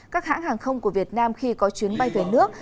các hãng hàng không của việt nam khi có chuyến bay về nước